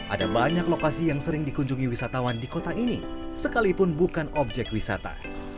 ada banyak lokasi yang sering dikunjungi wisatawan di kota ini sekalipun bukan objek wisata